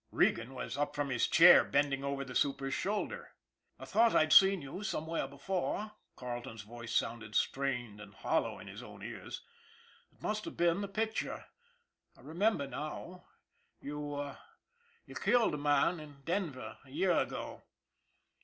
Regan was up from his chair, bending over the super's shoulder. " I thought I'd seen you somewhere before " Carle ton's voice sounded strained and hollow in his own ears. " It must have been the picture. I remember now. You you killed a man in Denver a year ago."